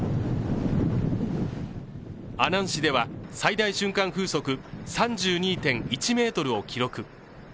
阿南市では、最大瞬間風速３２．１メートルを記録。